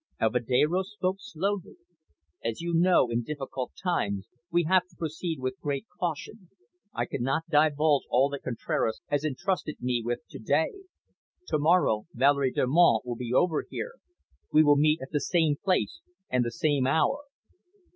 Alvedero spoke slowly. "As you know, in difficult times, we have to proceed with great caution I cannot divulge all that Contraras has entrusted me with to day. To morrow Valerie Delmonte will be over here! We will meet at the same place and the same hour."